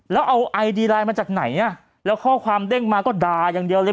แล้วเอาไอดีไลน์มาจากไหนอ่ะแล้วข้อความเด้งมาก็ด่าอย่างเดียวเลย